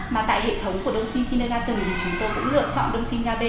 mà tại hệ thống của đông sinh gia bê thì chúng tôi cũng lựa chọn đông sinh gia bê